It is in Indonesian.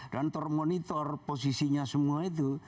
dan termonitor posisinya semua itu